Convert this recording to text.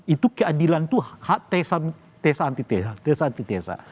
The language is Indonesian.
itu keadilan itu tesa anti tesa